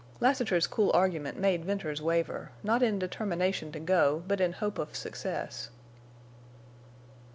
Lassiter's cool argument made Venters waver, not in determination to go, but in hope of success.